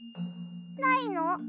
ないの？